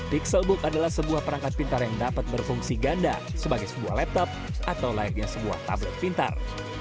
pixelbook adalah sebuah perangkat pintar yang dapat berfungsi ganda sebagai sebuah laptop atau layaknya sebuah tablet pintar